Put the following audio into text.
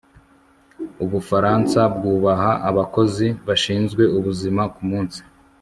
ubufaransa bwubaha abakozi bashinzwe ubuzima kumunsi